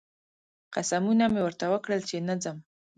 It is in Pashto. قسمونه مې ورته وکړل چې نه ځم